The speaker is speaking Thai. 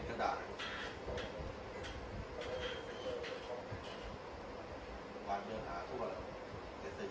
หลังจากนี้ก็ได้เห็นว่าหลังจากนี้ก็ได้เห็นว่า